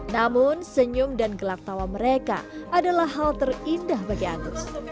namun senyum dan gelak tawa mereka adalah hal terindah bagi agus